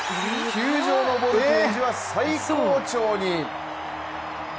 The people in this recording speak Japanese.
球場のボルテージは最高潮に！